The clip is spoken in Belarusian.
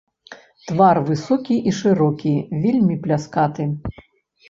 Твар высокі і шырокі, вельмі пляскаты.